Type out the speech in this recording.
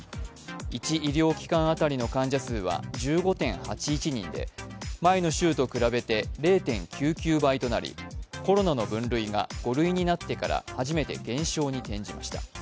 １医療機関当たりの患者数は１５．８１人で前の週と比べて０．９９倍となりコロナの分類が５類になってから初めて減少に転じました。